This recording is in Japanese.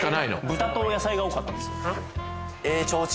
豚と野菜が多かったです